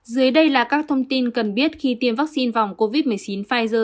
dưới đây là các thông tin cần biết khi tiêm vaccine phòng covid một mươi chín pfizer